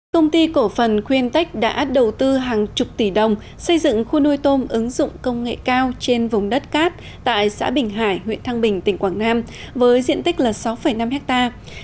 công ty cổ phần quyên tách đã đầu tư hàng chục tỷ đồng xây dựng khu nuôi tôm ứng dụng công nghệ cao trên vùng đất cát tại xã bình hải huyện thăng bình tỉnh quảng nam với diện tích là sáu năm hectare